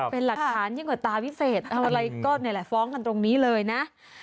เป็นหลักฐานยืนกว่าตาวิเฟศอะไรก็ฟ้องกันตรงนี้เลยนะ